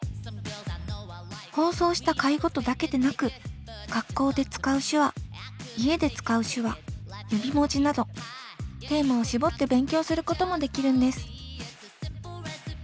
放送した回ごとだけでなく学校で使う手話家で使う手話指文字などテーマを絞って勉強することもできるんです。